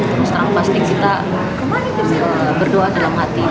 terus terang pasti kita berdoa dalam hati